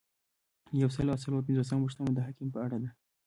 یو سل او څلور پنځوسمه پوښتنه د حکم په اړه ده.